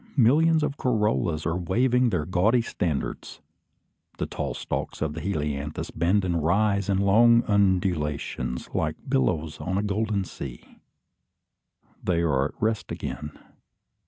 Millions of corollas are waving their gaudy standards. The tall stalks of the helianthus bend and rise in long undulations, like billows on a golden sea. They are at rest again.